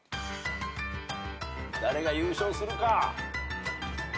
誰が優勝するか？